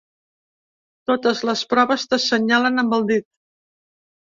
Totes les proves t'assenyalen amb el dit.